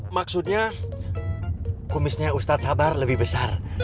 maksudnya kumisnya ustadz sabar lebih besar